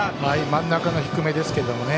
真ん中の低めですけどね。